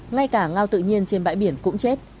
ngay cả ngao tự nhiên trên bãi biển cũng chết